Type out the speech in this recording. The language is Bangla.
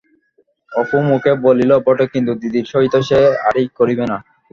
অপু মুখে বলিল বটে কিন্তু দিদির সহিত সে আড়ি করিবে না।